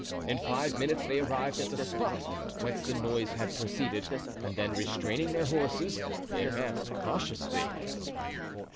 In five minutes they arrived at the spot whence the noise had proceeded, and then restraining their horses, they advanced cautiously.